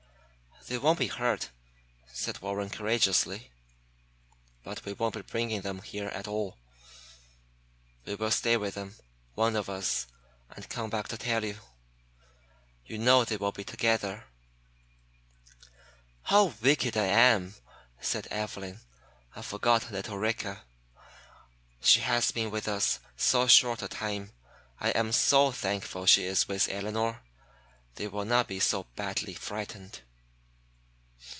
"They won't be hurt," said Warren courageously. "But we won't bring them here at all. We will stay with them, one of us, and come back to tell you. You know they will be together." "How wicked I am!" said Evelyn. "I forgot little Rika. She has been with us so short a time. I am so thankful she is with Elinor. They will not be so badly frightened."